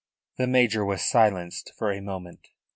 The major was silenced for a moment.